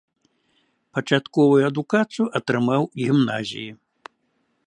Пачатковую адукацыю атрымаў у гімназіі.